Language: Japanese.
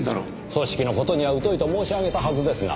組織の事には疎いと申し上げたはずですが。